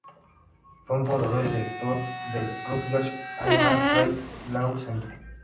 Fue el fundador y director del "Rutgers Animal Rights Law Centre".